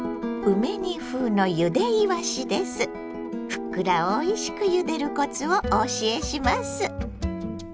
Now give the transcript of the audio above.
ふっくらおいしくゆでるコツをお教えします。